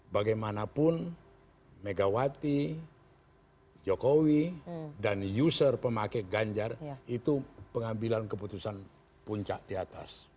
bagaimanapun megawati jokowi dan user pemakai ganjar itu pengambilan keputusan puncak di atas